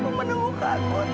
aku menemukan kota dari sahabatmu